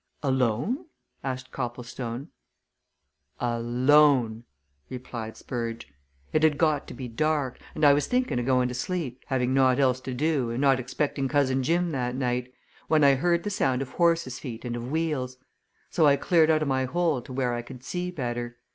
"Alone?" asked Copplestone. "A lone!" replied Spurge. "It had got to be dark, and I was thinking of going to sleep, having nought else to do and not expecting cousin Jim that night, when I heard the sound of horses' feet and of wheels. So I cleared out of my hole to where I could see better.